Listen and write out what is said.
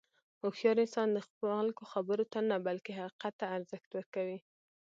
هوښیار انسان د خلکو خبرو ته نه، بلکې حقیقت ته ارزښت ورکوي.